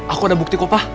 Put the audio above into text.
aku ada bukti kok pak